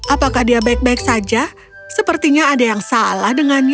apakah dia baik baik saja sepertinya ada yang salah dengannya